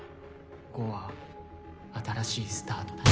５は「新しいスタート」だ。